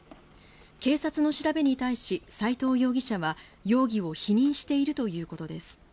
警察の調べに対し斉藤容疑者は容疑を否認しているということです。